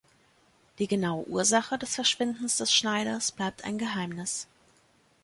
Die genaue Ursache des Verschwindens des Schneiders bleibt ein Geheimnis.